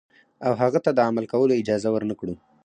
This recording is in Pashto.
او هغه ته د عمل کولو اجازه ورنکړو.